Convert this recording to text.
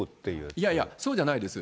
いやいや、そうじゃないです。